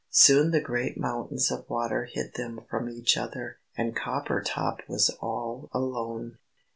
Soon the great mountains of water hid them from each other, and Coppertop was all alone.